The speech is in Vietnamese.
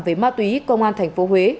với ma túy công an thành phố huế